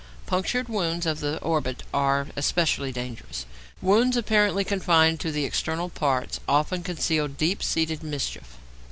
Punctured wounds of the orbit are especially dangerous. Wounds apparently confined to the external parts often conceal deep seated mischief.